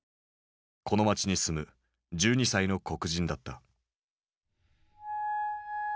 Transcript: この町に住む１２歳の黒人だった。